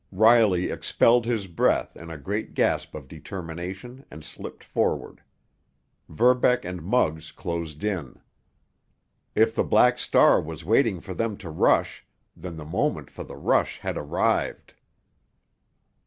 Riley expelled his breath in a great gasp of determination, and slipped forward. Verbeck and Muggs closed in. If the Black Star was waiting for them to rush, then the moment for the rush had arrived.